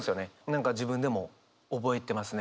何か自分でも覚えてますね。